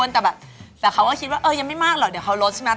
แต่แบบแต่เขาก็คิดว่าเออยังไม่มากหรอกเดี๋ยวเขาลดใช่ไหม